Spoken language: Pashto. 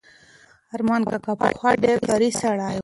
ارمان کاکا پخوا ډېر کاري سړی و.